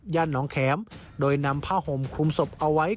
น้องแข็มโดยนำผ้าห่มคลุมศพเอาไว้